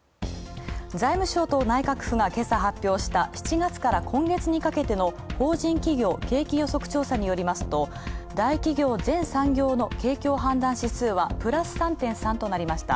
財務省と内閣府が今朝発表した、７月から今月にかけての法人企業景気予測調査によりますと、大企業全産業の景況判断指数は、プラス３．３となりました。